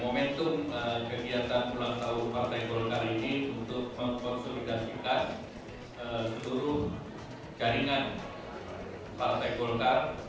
momentum kegiatan ulang tahun partai golkar ini untuk mengkonsolidasikan seluruh jaringan partai golkar